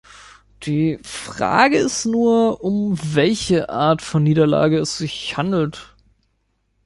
Die Frage ist nur, um welche Art von Niederlage es sich handelt.